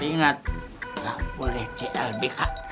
ingat gak boleh clb kak